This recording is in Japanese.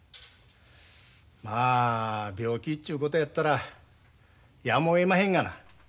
まあ病気ちゅうことやったらやむをえまへんがな。